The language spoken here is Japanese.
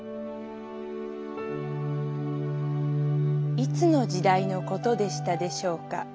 「いつの時代のことでしたでしょうか。